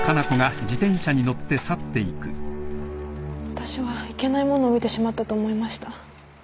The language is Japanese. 私はいけないものを見てしまったと思いました。